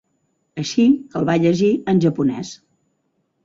Així que el va llegir en japonès.